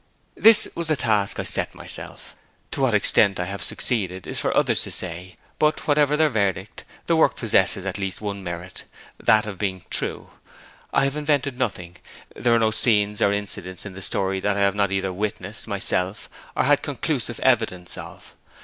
This was the task I set myself. To what extent I have succeeded is for others to say; but whatever their verdict, the work possesses at least one merit that of being true. I have invented nothing. There are no scenes or incidents in the story that I have not either witnessed myself or had conclusive evidence of.